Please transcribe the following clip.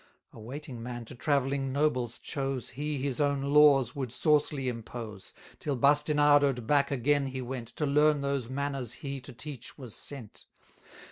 A waiting man to travelling nobles chose, He his own laws would saucily impose, Till bastinadoed back again he went, To learn those manners he to teach was sent.